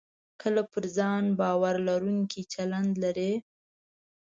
کله پر ځان باور لرونکی چلند لرئ